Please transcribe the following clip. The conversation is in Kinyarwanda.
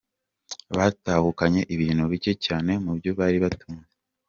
Batahukanye ibintu bike cyane mu byo bari batunze.